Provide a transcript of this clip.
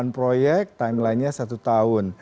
lima puluh delapan proyek timelinenya satu tahun